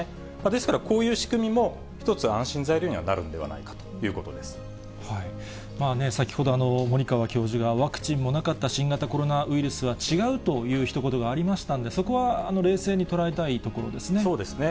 ですから、こういう仕組みも、一つ安心材料にはなるんではない先ほど森川教授が、ワクチンもなかった新型コロナウイルスは違うというひと言がありましたんで、そこは冷静に捉えたいところですね。